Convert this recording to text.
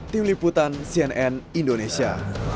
tim liputan cnn indonesia